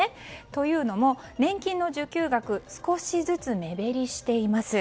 というのも、年金の受給額少しずつ目減りしています。